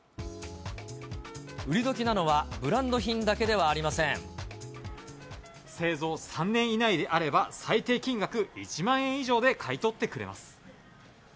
売り時なのは、ブランド品だ製造３年以内であれば、最低金額１万円以上で買い取ってくれます。